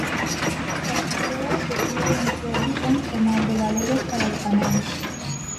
Casi todas servían en su origen como abrevaderos para el ganado.